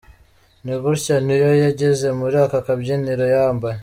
Ni gutya Ne-Yo yageze muri aka kabyiniro yambaye.